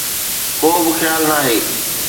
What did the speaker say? ڪو به خيال ناهي.